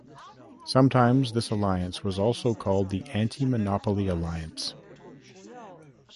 Sometimes this alliance was also called the "anti-monopoly alliance".